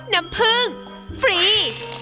น้ำผึ้งฟรี